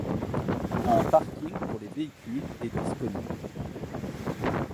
Un parking pour les véhicules est disponible.